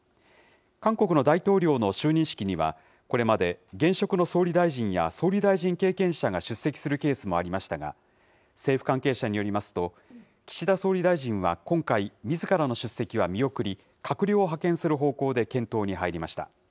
韓国の大統領の就任式には、これまで現職の総理大臣や総理大臣経験者が出席するケースもありましたが、政府関係者によりますと、岸田総理大臣は今回、みずからの出席は見送り、閣僚を派遣する方向で検討に入りました。